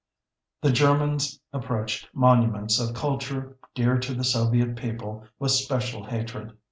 The Germans approached monuments of culture, dear to the Soviet people, with special hatred.